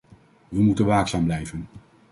We moeten waakzaam blijven.